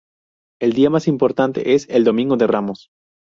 El día más importante, es: el Domingo de Ramos.